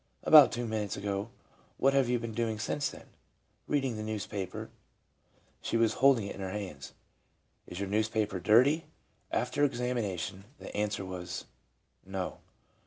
— About two minutes ago. — What have you been doing since then ?— Eeading the newspaper. (She was hold ing it in her hands.) — Is your newspaper dirty f — After exam ination, the answer was, "No.''